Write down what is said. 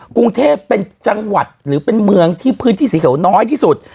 กรุงเทพเป็นจังหวัดหรือเป็นเมืองที่พื้นที่สีเขียวน้อยที่สุด